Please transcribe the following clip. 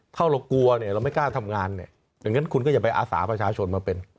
ถ้าเรากลัวเนี่ยเราไม่กล้าทำงานเนี่ยอย่างนั้นคุณก็อย่าไปอาสาประชาชนมาเป็น